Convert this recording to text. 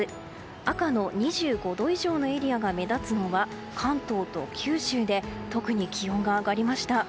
赤の２５度以上のエリアが目立つのは関東と九州で特に気温が上がりました。